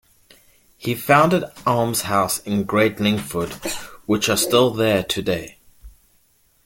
He founded almshouses in Great Linford, which are still there today.